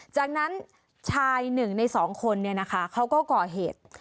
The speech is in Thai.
จากนั้นชายหนึ่งในสองคนเนี่ยนะคะเขาก็เกาะเหตุ